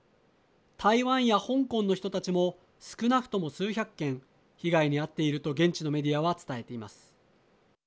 台湾や香港の人たちも少なくとも数百件被害に遭っていると現地のメディアは伝えています。